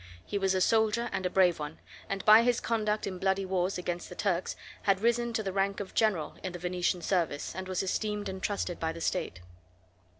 He was a soldier, and a brave one; and by his conduct in bloody wars against the Turks had risen to the rank of general in the Venetian service, and was esteemed and trusted by the state.